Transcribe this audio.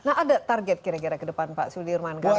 nah ada target kira kira ke depan pak sudirman